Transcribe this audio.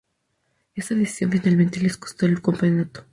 Esa decisión finalmente les costó el campeonato.